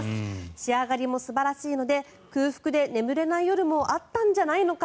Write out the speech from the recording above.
仕上がりも素晴らしいので空腹で眠れない夜もあったんじゃないのか